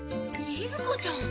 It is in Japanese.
しずかちゃん。